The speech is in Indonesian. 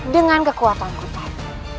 dengan kekuatan ku teg